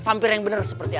mampir yang benar seperti apa